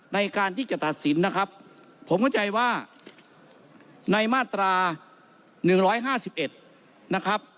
ในการที่จะตัดสินนะครับผมเข้าใจว่าในมาตรา๑๕๑นะครับ